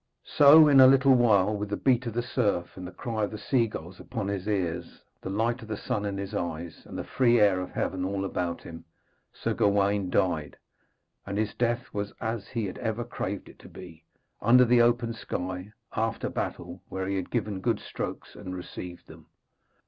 So in a little while, with the beat of the surf and the cry of the seagulls upon his ears, the light of the sun in his eyes, and the free air of heaven all about him, Sir Gawaine died. And his death was as he had ever craved it to be, under the open sky, after battle, where he had given good strokes and received them.